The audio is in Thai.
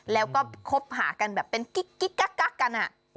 แล้วก็คบหากันแบบเป็นกิ๊กกักกัน